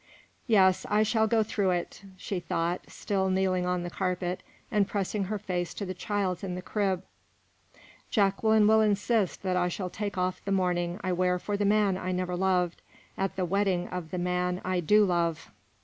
"Yes, I shall go through it," she thought, still kneeling on the carpet, and pressing her face to the child's in the crib; "Jacqueline will insist that I shall take off the mourning I wear for the man I never loved, at the wedding of the man I do love.